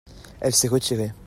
elle s'est retirée.